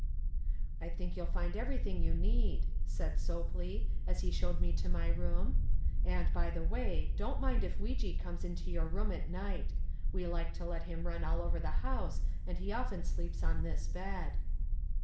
"I think you'll find everything you need," said Sopley, as he showed me to my room, "and, by the way, don't mind if Weejee comes into your room at night. We like to let him run all over the house and he often sleeps on this bed."